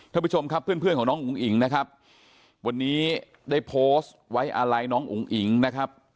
ท่านผู้ชมครับเพื่อนเพื่อนของน้องอุ๋งอิ๋งนะครับวันนี้ได้โพสต์ไว้อาลัยน้องอุ๋งอิ๋งนะครับ